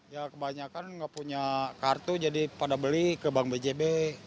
ya kebanyakan nggak punya kartu jadi pada beli ke bank bjb